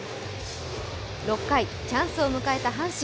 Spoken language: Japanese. ６回、チャンスを迎えた阪神。